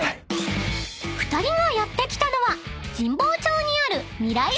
［２人がやって来たのは神保町にある］